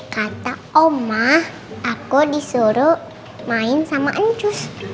kata oma aku disuruh main sama ancus